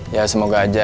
ya semoga aja